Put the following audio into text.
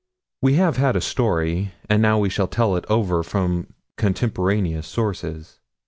We have had a story, and now we shall tell it over from contemporaneous sources.